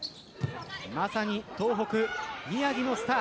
まさに東北・宮城のスター。